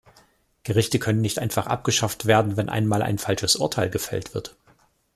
Gerichte können nicht einfach abgeschafft werden, wenn einmal ein falsches Urteil gefällt wird.